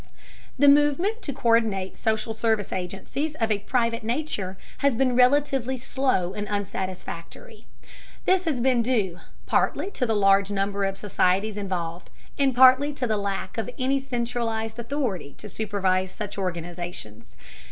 The movement to co÷rdinate social service agencies of a private nature has been relatively slow and unsatisfactory. This has been due, partly to the large number of societies involved, and partly to the lack of any centralized authority to supervise such organizations.